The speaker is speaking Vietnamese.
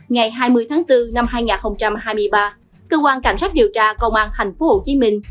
ngày hai mươi tháng bốn năm hai nghìn hai mươi ba cơ quan cảnh sát điều tra công an thành phố hồ chí minh